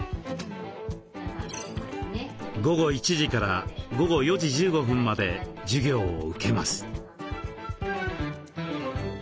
午後１時から午後４時１５分まで授業を受けます。